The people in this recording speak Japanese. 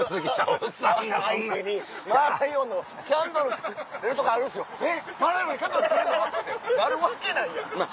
「えっマーライオンのキャンドル作れるの⁉」なるわけないやん。